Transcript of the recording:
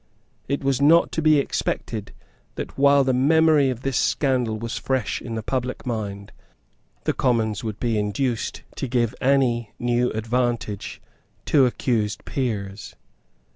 It was not to be expected that, while the memory of this scandal was fresh in the public mind, the Commons would be induced to give any new advantage to accused peers.